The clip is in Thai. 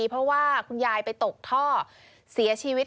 เพราะว่าคุณยายไปตกท่อเสียชีวิต